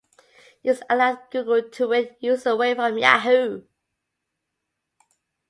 This allowed Google to win users away from Yahoo!